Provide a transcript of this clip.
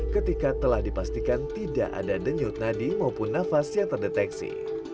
ketika telah dipastikan tidak ada denyut nadi maupun nafas yang terdeteksi